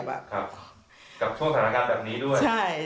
กับช่วงสถานการณ์แบบนี้ด้วย